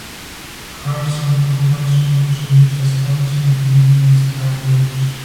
Cars and motorbikes were also used as currency between organised crime groups.